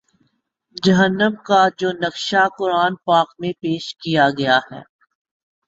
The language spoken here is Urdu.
جہنم کا جو نقشہ قرآن پاک میں پیش کیا گیا ہے